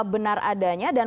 benar adanya dan